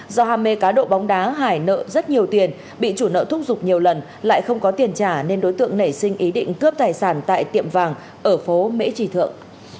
do ham mê cá độ bóng đá hải nợ rất nhiều tiền bị chủ nợ thúc rục nhiều lần lại không có tiền trả nên đối tượng nảy sinh ý định cướp tài sản tại tiệm vàng ở phố mễ trì thượng